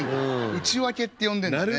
内訳って呼んでんだね。